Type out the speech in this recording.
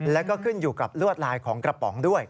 แล้วก็ขึ้นอยู่กับลวดลายของกระป๋องด้วย